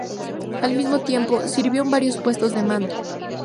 Al mismo tiempo, sirvió en varios puestos de mando.